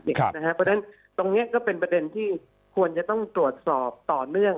เพราะฉะนั้นตรงนี้ก็เป็นประเด็นที่ควรจะต้องตรวจสอบต่อเนื่อง